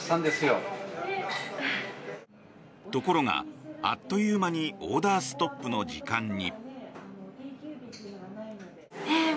ところが、あっという間にオーダーストップの時間に。